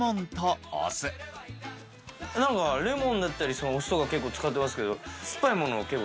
レモンだったりお酢とか結構使ってますけど。